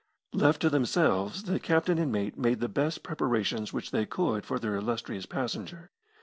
Left to themselves, the captain and mate made the best preparations which they could for their illustrious passenger.